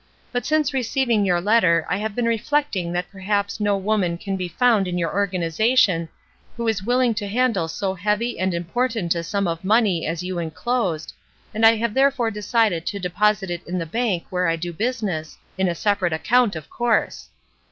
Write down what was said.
But since receiving your letter I have been reflecting that perhaps no woman can be foimd in your organization who is willing to handle so heavy and important a sum of money as you enclosed, and I have therefore decided to deposit it in the bank where I do business, in a separate account, of course.